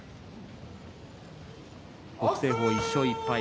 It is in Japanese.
北青鵬１勝１敗